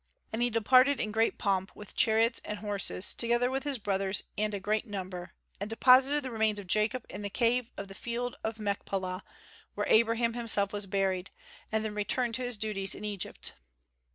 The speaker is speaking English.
And he departed in great pomp, with chariots and horses, together with his brothers and a great number, and deposited the remains of Jacob in the cave of the field of Machpelah, where Abraham himself was buried, and then returned to his duties in Egypt.